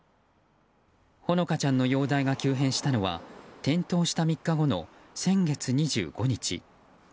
ほのかちゃんの容体が急変したのは、転倒した３日後の先月２５日。